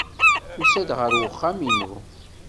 Tusa-d ɣer uxxam-inu.